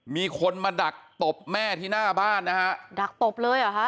มีคนมาดักตบแม่ที่หน้าบ้านนะฮะดักตบเลยเหรอฮะ